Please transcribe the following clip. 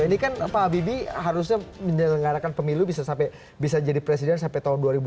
ini kan pak habibie harusnya menyelenggarakan pemilu bisa jadi presiden sampai tahun dua ribu dua puluh